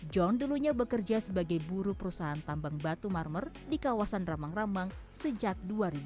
john dulunya bekerja sebagai buru perusahaan tambang batu marmer di kawasan rambang rambang sejak dua ribu